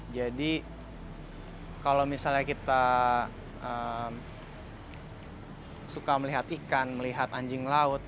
jadi kalau misalnya kita suka melihat ikan melihat anjing laut